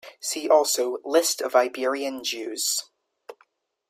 See also List of Iberian Jews.